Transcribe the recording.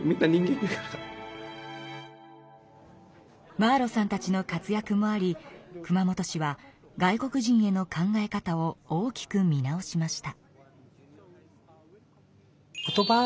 マーロさんたちの活やくもあり熊本市は外国人への考え方を大きく見直しました。